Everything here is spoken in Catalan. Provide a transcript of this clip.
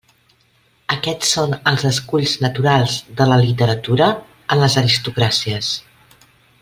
Aquests són els esculls naturals de la literatura en les aristocràcies.